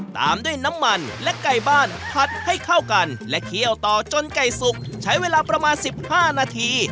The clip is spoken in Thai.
ตามด้วยน้ำมันและไก่บ้านผัดให้เข้ากันและเคี่ยวต่อจนไก่สุกใช้เวลาประมาณ๑๕นาที